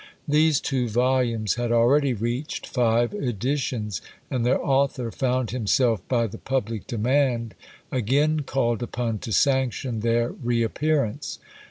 These two volumes had already reached five editions, and their author found himself, by the public demand, again called upon to sanction their re appearance.